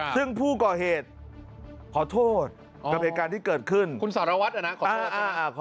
ซึ่งผู้ก่อเหตุขอโทษกับเหตุการณ์ที่เกิดขึ้นคุณสารวัตรขอโทษ